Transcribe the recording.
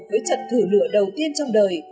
với trận thử lửa đầu tiên trong đời